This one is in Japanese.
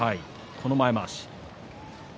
この前まわし。